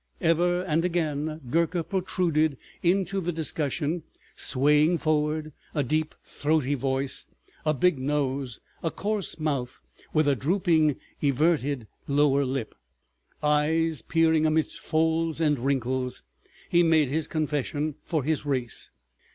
Ever and again Gurker protruded into the discussion, swaying forward, a deep throaty voice, a big nose, a coarse mouth with a drooping everted lower lip, eyes peering amidst folds and wrinkles. He made his confession for his race.